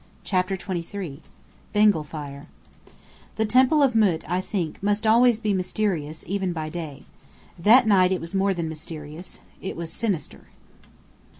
CHAPTER XXIII BENGAL FIRE The Temple of Mût I think must always be mysterious even by day. That night it was more than mysterious. It was sinister.